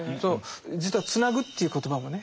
実は繋ぐっていう言葉もね